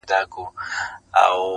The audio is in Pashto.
خوله يوه ښه ده، خو خبري اورېدل ښه دي.